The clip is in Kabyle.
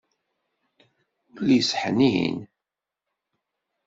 Ul-is ḥnin.